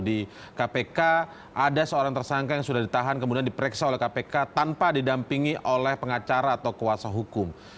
di kpk ada seorang tersangka yang sudah ditahan kemudian diperiksa oleh kpk tanpa didampingi oleh pengacara atau kuasa hukum